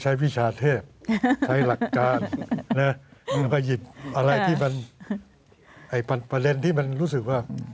ใช้วิชาเทพใช้หลักการหยิบประเด็นที่มันรู้สึกว่า